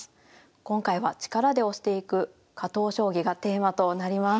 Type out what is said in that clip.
今回は「力で押していく加藤将棋」がテーマとなります。